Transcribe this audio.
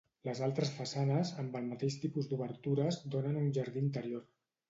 Les altres façanes, amb el mateix tipus d'obertures, donen a un jardí interior.